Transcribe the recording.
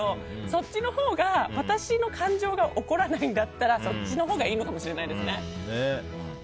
そっちのほうが私の感情が怒らないんだったらそっちがいいのかもしれない。